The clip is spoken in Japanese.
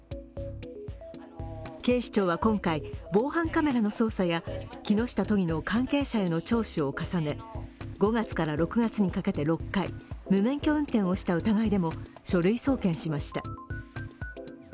警視庁は今回防犯カメラの操作や木下都議の関係者への聴取を重ね、５月から６月にかけて６回、無免許運転した疑いでも書類送検しました。